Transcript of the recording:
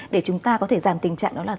để chúng ta có thể giảm tình trạng